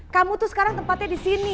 kamu tuh sekarang tempatnya disini